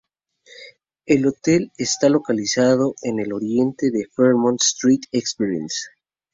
El hotel está localizado en el oriente de Fremont Street Experience.